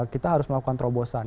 kita harus melakukan terobosan